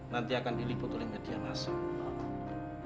nanti akan diliput oleh media nasional